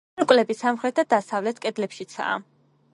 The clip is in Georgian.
სარკმლები სამხრეთ და დასავლეთ კედლებშიცაა.